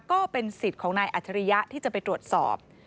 ก็เป็นสิทธิ์ของนายอัจฉริยะที่จะไปตรวจสอบ